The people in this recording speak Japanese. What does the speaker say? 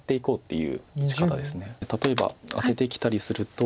例えばアテてきたりすると。